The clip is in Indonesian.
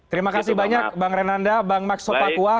terima kasih banyak bang renanda bang max sopakua